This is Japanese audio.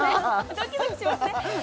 ドキドキしますね